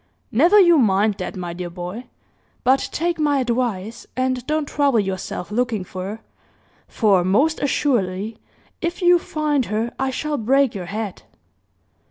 "Never you mind that, my dear boy; but take my advice, and don't trouble yourself looking for her; for, most assuredly, if you find her, I shall break your head!"